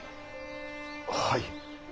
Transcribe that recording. はい。